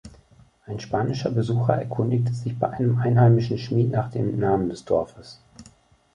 Ein spanischer Besucher erkundigte sich bei einem einheimischen Schmied nach dem Namen des Dorfes.